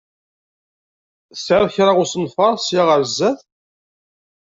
Tesεiḍ kra usenfaṛ ssya ɣer zzat?